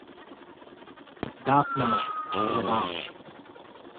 ডাক নাম 'নবাব'।